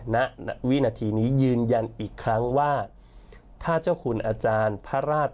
ณวินาทีนี้ยืนยันอีกครั้งว่าถ้าเจ้าคุณอาจารย์พระราช